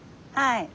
はい。